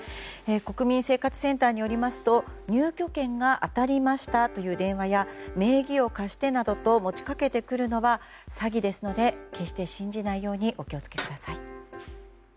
国民生活センターによりますと入居権が当たりましたという電話や、名義を貸してなどと持ちかけてくるのは詐欺ですので決して信じないようにお気を付けください。